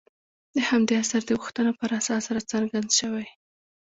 د همدې عصر د غوښتنو پر اساس راڅرګند شوي.